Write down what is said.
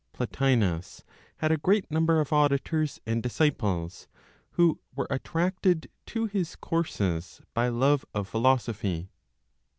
Plotinos had a great number of auditors and disciples, who were attracted to his courses by love of philosophy.